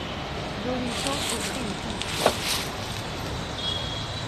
D'Orichamps offrit une prise.